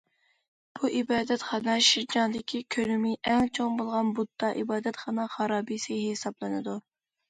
بۇ ئىبادەتخانا شىنجاڭدىكى كۆلىمى ئەڭ چوڭ بولغان بۇددا ئىبادەتخانا خارابىسى ھېسابلىنىدۇ.